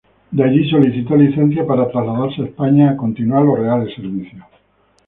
De allí solicitó licencia para trasladarse a España a continuar los Reales Servicios.